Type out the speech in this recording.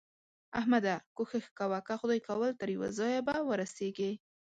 احمده! کوښښ کوه؛ که خدای کول تر يوه ځايه به ورسېږې.